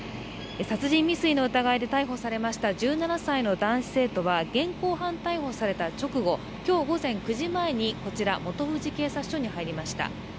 殺人未遂の疑いで逮捕されました１７歳の男子生徒は現行犯逮捕された直後今日午前９時前にこちら本富士警察署に入りました。